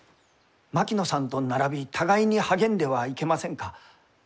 槙野さんと並び互いに励んではいけませんか？